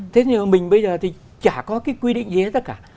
thế nhưng mà mình bây giờ thì chả có cái quy định gì hết tất cả